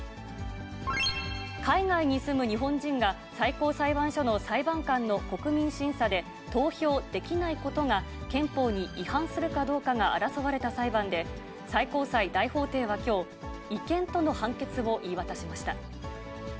海外に住む日本人が、最高裁判所の裁判官の国民審査で投票できないことが、憲法に違反するかどうかが争われた裁判で、最高裁大法廷はきょう、違憲との判決を言い渡しました。